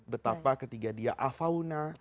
betapa ketika dia afauna